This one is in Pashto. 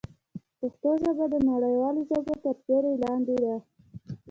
پښتو ژبه د نړیوالو ژبو تر سیوري لاندې ده.